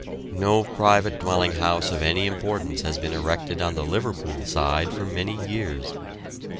No private dwelling house of any importance has been erected on the Liverpool side for many years.